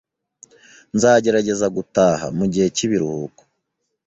Nzagerageza gutaha mugihe cyibiruhuko